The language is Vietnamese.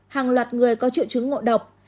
hàng loạt người có triệu chứng ngộ độc